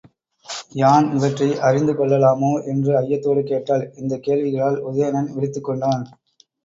யான் இவற்றை அறிந்து கொள்ளலாமோ? என்று ஐயத்தோடு கேட்டாள், இந்தக் கேள்விகளால் உதயணன் விழித்துக்கொண்டான்.